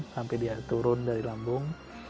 sampai dia turun dari lambung